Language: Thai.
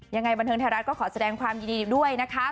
ยังไงบันเทิงไทยรัฐก็ขอแสดงความยินดีด้วยนะคะ